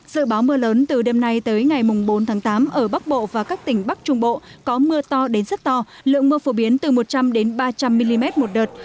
dự báo mưa lớn từ đêm nay tới ngày bốn tháng tám ở bắc bộ và các tỉnh bắc trung bộ có mưa to đến rất to lượng mưa phổ biến từ một trăm linh ba trăm linh mm một đợt